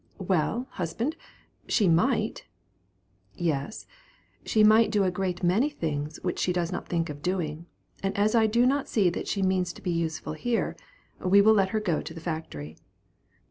"Well, husband, she might." "Yes, she might do a great many things which she does not think of doing; and as I do not see that she means to be useful here; we will let her go to the factory."